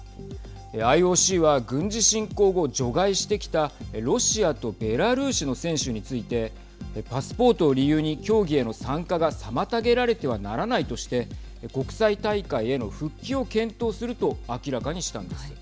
ＩＯＣは軍事侵攻後除外してきたロシアとベラルーシの選手についてパスポートを理由に競技への参加が妨げられてはならないとして国際大会への復帰を検討すると明らかにしたんです。